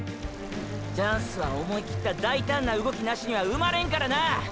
チャンスは思いきった大胆な動きなしには生まれんからな！！